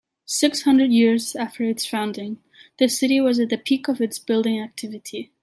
Six hundred years after its founding, the city was at the peak of its building activity.